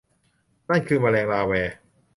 นั่นคือแมลงลาแว